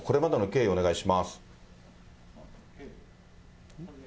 これまでの経緯をお願いします。